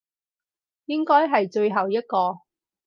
應該係最後一個